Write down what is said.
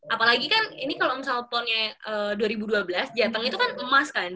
apalagi kan ini kalau misalnya ponnya dua ribu dua belas jateng itu kan emas kan